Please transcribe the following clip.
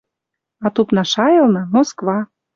А тупна шайылны — Москва.